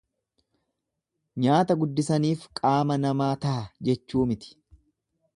Nyaata guddisaniif qaama namaa taha jechuu miti.